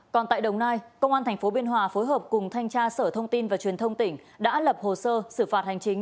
còn tại đồng nai công an tp biên hòa phối hợp cùng thanh tra sở thông tin và truyền thông tỉnh đã lập hồ sơ xử phạt hành chính